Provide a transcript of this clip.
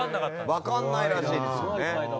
分からないらしいです。